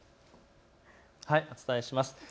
お伝えします。